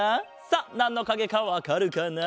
さあなんのかげかわかるかな？